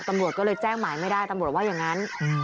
ตำรวจก็เลยแจ้งหมายไม่ได้ตำรวจว่าอย่างนั้น